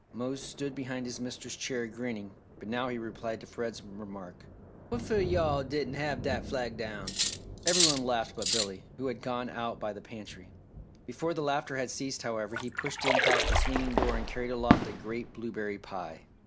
Mose stood behind his mistress' chair grinning but now he replied to Fred's remark. "Wha'fo' yo' all diden' have dat flag down!" Every one laughed but Billy, who had gone out by the pantry. Before the laughter had ceased however, he pushed in past the swinging door and carried aloft a great blueberry pie.